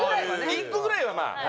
１個ぐらいはまあはい。